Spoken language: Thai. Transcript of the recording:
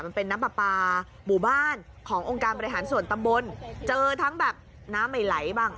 มันเป็นน้ำปลาปลาหมู่บ้านขององค์การบริหารส่วนตำบลเจอทั้งแบบน้ำไม่ไหลบ้าง